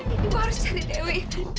ibu harus cari dewi